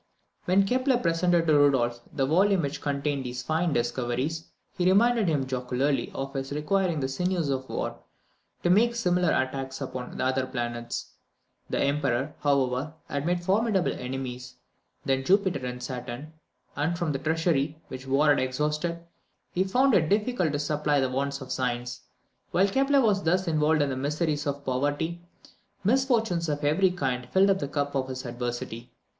When Kepler presented to Rudolph the volume which contained these fine discoveries, he reminded him jocularly of his requiring the sinews of war to make similar attacks upon the other planets. The Emperor, however, had more formidable enemies than Jupiter and Saturn, and from the treasury, which war had exhausted, he found it difficult to supply the wants of science. While Kepler was thus involved in the miseries of poverty, misfortunes of every kind filled up the cup of his adversity.